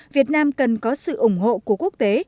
việt nam cần có sự ủng hộ của quốc tế